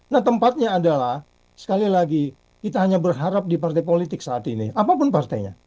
nah tempatnya adalah sekali lagi kita hanya berharap di partai politik saat ini apapun partainya